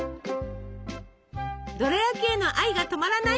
ドラやきへの愛が止まらない！